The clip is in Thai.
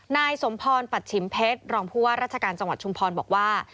นายสมพรปัชชิมเพชรรองผู้ว่าราชการจังหวัดชุมพรบอกว่า